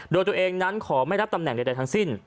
โดยตัวเองนั้นขอไม่รับตำแหน่งใดทั้งสิ้น